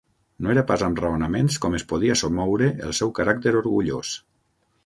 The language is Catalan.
No era pas amb raonaments com es podia somoure el seu caràcter orgullós.